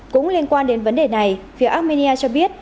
cũng liên quan đến vấn đề này phía armenia cho biết